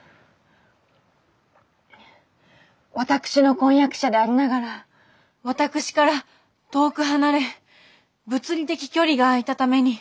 私の婚約者でありながら私から遠く離れ物理的距離があいたために。